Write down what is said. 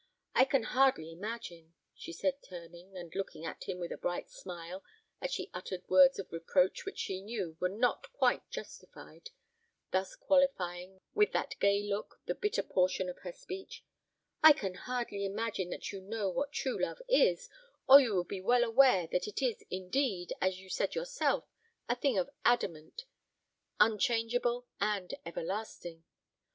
I can hardly imagine," she said, turning, and looking at him with a bright smile, as she uttered words of reproach which she knew were not quite justified, thus qualifying with that gay look the bitter portion of her speech: "I can hardly imagine that you know what true love is, or you would be well aware that it is, indeed, as you said yourself, a thing of adamant: unchangeable and everlasting.